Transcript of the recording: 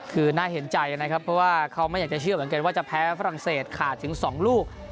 คือน่าเห็นใจนะครับเพราะว่าเขาไม่อยากจะเชื่อเหมือนกันว่าจะแพ้ฝรั่งเศสขาดถึง๒ลูก